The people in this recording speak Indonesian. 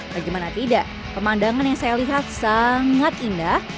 bagaimana tidak pemandangan yang saya lihat sangat indah